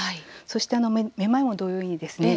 そして、めまいも同様にですね